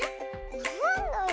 なんだろう？